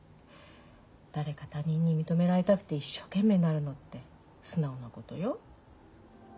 誰か他人に認められたくて一生懸命になるのって素直なことよ。